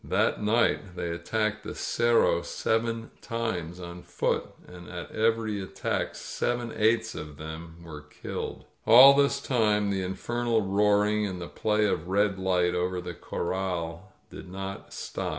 ••• That night they attacked the Cerro seven times on foot, and at every attack seven eighths of them were killed. ••• All this time the in fernal roaring and the play of red light over the Corral did not stop.